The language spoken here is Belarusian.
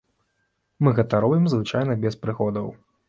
Мы гэта робім звычайна без прыгодаў.